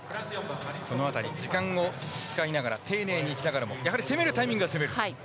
時間を使いながら丁寧にいきながらも攻めるタイミングは攻めると。